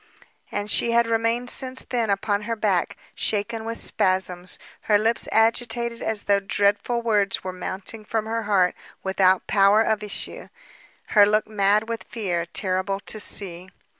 And she had remained since then upon her back, shaken with spasms, her lips agitated as though dreadful words were mounting from her heart without power of issue, her look mad with fear, terrible to see.